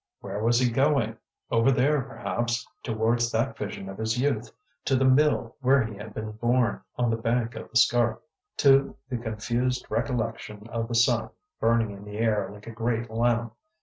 Where was he going? Over there, perhaps, towards that vision of his youth, to the mill where he had been born on the bank of the Scarpe, to the confused recollection of the sun burning in the air like a great lamp.